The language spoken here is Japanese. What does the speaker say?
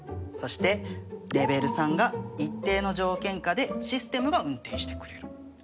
そしてレベル３が一定の条件下でシステムが運転してくれる。